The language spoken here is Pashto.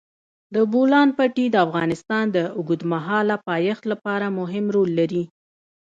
د بولان پټي د افغانستان د اوږدمهاله پایښت لپاره مهم رول لري.